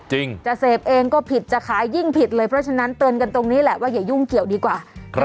จะเสพเองก็ผิดจะขายยิ่งผิดเลยเพราะฉะนั้นเตือนกันตรงนี้แหละว่าอย่ายุ่งเกี่ยวดีกว่า